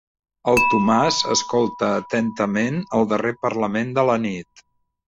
El Tomàs escolta atentament el darrer parlament de la nit.